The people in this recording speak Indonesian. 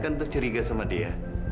untuk ceriga sama dia